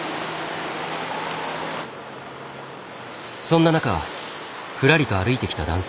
そんな中ふらりと歩いてきた男性がいた。